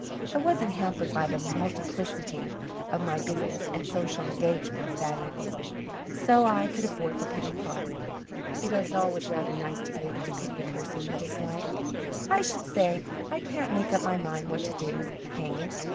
I wasn't hampered by the multiplicity of my business and social engagements that evening, so I could afford to pity Clark. It is always rather nice to be able to pity a person you dislike. "I should say so. I can't make up my mind what to do. Hang it.